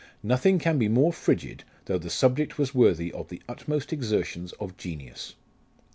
Nothing can be more frigid, though the subject was worthy of the utmost exertions of genius.